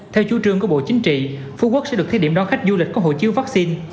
theo chú trương của bộ chính trị phú quốc sẽ được thiết điểm đón khách du lịch có hộ chiếu vaccine